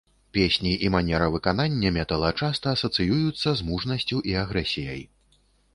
Песні і манера выканання метала часта асацыююцца з мужнасцю і агрэсіяй.